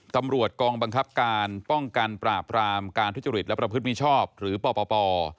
ตำรวจกองบังคับการป้องกันปราบรามการทุจริตและประพฤติมิชอบหรือปป